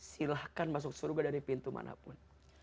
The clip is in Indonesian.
silahkan masuk surga dari pintu manapun